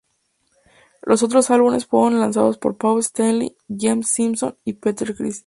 Los otros álbumes fueron lanzados por Paul Stanley, Gene Simmons y Peter Criss.